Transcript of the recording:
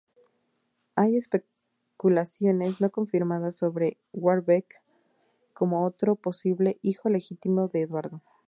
Hay especulaciones no confirmadas sobre Warbeck como otro posible hijo ilegítimo de Eduardo.